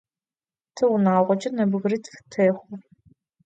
Tiunağoç'e nebgıritf texhu.